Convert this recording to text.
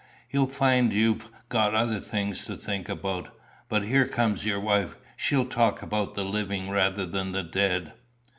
You'll find you've got other things to think about. But here comes your wife. She'll talk about the living rather than the dead."